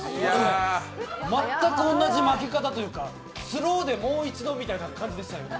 全く同じ負け方というか、スローでもう一度という感じでしたよね。